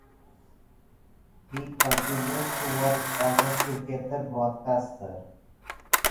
He continues to work as a cricket broadcaster.